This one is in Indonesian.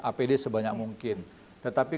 apd sebanyak mungkin tetapi